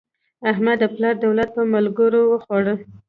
احمد د پلار دولت په ملګرو وخوړ.